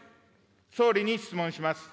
総理に質問します。